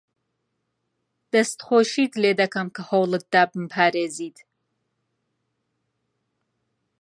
دەستخۆشیت لێ دەکەم کە هەوڵت دا بمپارێزیت.